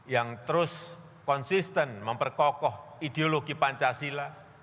yang terus konsisten memperkokoh ideologi pancasila